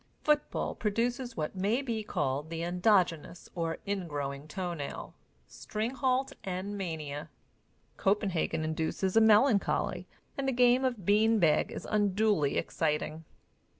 Foot ball produces what may be called the endogenous or ingrowing toenail, stringhalt and mania. Copenhagen induces a melancholy, and the game of bean bag is unduly exciting.